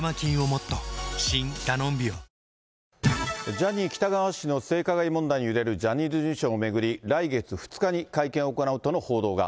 ジャニー喜多川氏の性加害問題に揺れるジャニーズ事務所を巡り、来月２日に会見を行うとの報道が。